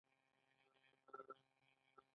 عصري تعلیم مهم دی ځکه چې د مارکیټینګ مهارتونه ورکوي.